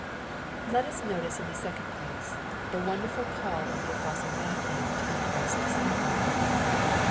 Let us notice in the second place, the wonderful ccUl of the apostle Matthew to be Chrisfa disciple.